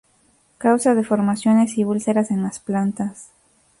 Causa deformaciones y úlceras en las plantas.